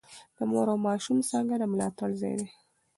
د مور او ماشوم څانګه د ملاتړ ځای دی.